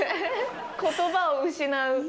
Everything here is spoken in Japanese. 言葉を失う。